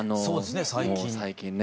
そうですね最近。